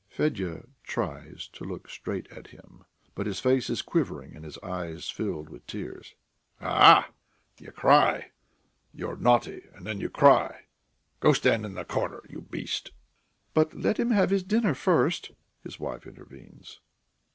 Fedya tries to look straight at him, but his face is quivering and his eyes fill with tears. "A ah!... you cry? You are naughty and then you cry? Go and stand in the corner, you beast!" "But ... let him have his dinner first," his wife intervenes.